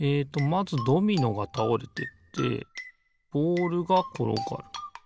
まずドミノがたおれてってボールがころがる。